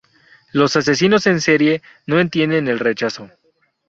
Los asesinos en serie no entienden el rechazo.